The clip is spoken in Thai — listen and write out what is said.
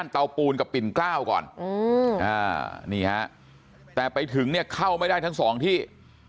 เตาปูนกับปิ่นกล้าวก่อนนี่ฮะแต่ไปถึงเนี่ยเข้าไม่ได้ทั้งสองที่